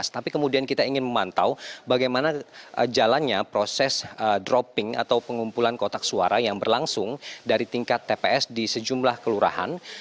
tapi kemudian kita ingin memantau bagaimana jalannya proses dropping atau pengumpulan kotak suara yang berlangsung dari tingkat tps di sejumlah kelurahan